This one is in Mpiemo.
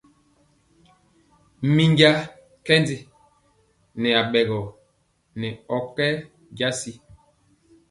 Minja nkɛnji nɛ aɓɛgɔ nɛ ɔ kɛ jasi.